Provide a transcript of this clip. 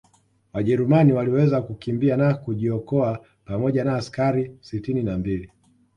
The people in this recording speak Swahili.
Wajerumani waliweza kukimbia na kujiokoa pamoja na askari sitini na mbili